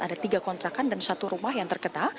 ada tiga kontrakan dan satu rumah yang terkena